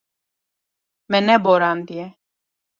Me neborandiye.